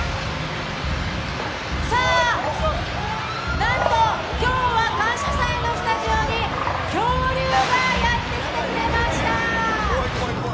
なんと、今日は「感謝祭」のスタジオに恐竜がやってきてくれました！